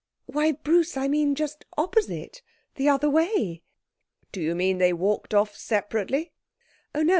'Why, Bruce, I mean just opposite. The other way.' 'Do you mean they walked off separately?' 'Oh, no!